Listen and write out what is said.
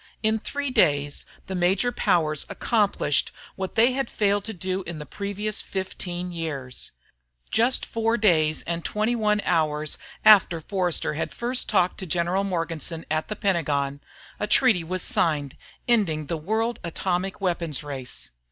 In three days, the major powers accomplished what they had failed to do in the previous 15 years. Just 4 days and 21 hours after Forster had first talked to General Morganson at the Pentagon, a treaty was signed ending the world atomic weapons race.